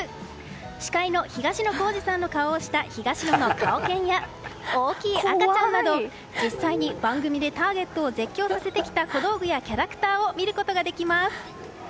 司会の東野幸治さんの顔をした東野の顔犬や大きい赤ちゃんなど実際に番組でターゲットを絶叫させてきた小道具やキャラクターを見ることができます。